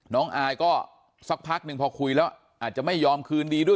อายก็สักพักหนึ่งพอคุยแล้วอาจจะไม่ยอมคืนดีด้วย